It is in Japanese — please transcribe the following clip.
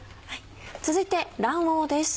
続いて卵黄です